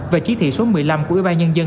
và chỉ thị số một mươi năm của ủy ban nhân dân